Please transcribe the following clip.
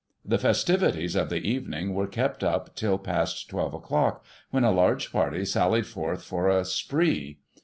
The festivities of the evening were kept up till past 12 o'clock, when a large party sallied forth for * a spree.'